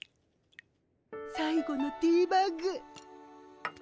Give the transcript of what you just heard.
最後のティーバッグ。